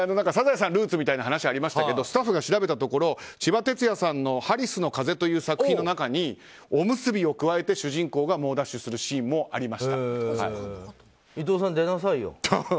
「サザエさん」がルーツみたいな話がありましたけどスタッフが調べたところちばてつやさんの「ハリスの旋風」という作品の中におむすびを加えて主人公が猛ダッシュするシーンも伊藤さん、出なさいよ。